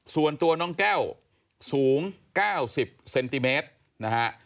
ส่วนตัวน้องแก้วสูง๙๐เซนติเมตรนะฮะ